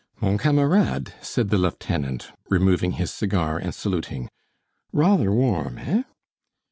"Mon camarade!" said the lieutenant, removing his cigar and saluting, "rather warm, eh?"